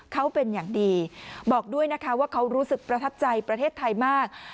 เขาเป็นอย่างดีบอกด้วยนะคะว่าเขารู้สึกประทับใจประเทศไทยมาก